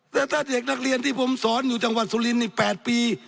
และท่านเด็กนักเรียนที่ผมสอนอยู่จังหวัดสุลินนี่๘ปี